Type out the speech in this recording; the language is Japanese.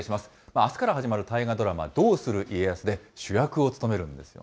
あすから始まる大河ドラマ、どうする家康で主役を務めるんですよ